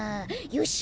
よし！